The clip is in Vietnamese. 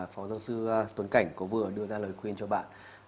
phó giáo sư tuấn cảnh có vừa đưa ra lời khuyên cho bạn